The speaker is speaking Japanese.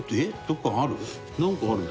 どっかにある？